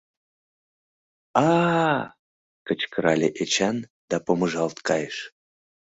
"А-а!" - кычкырале Эчан да помыжалт кайыш.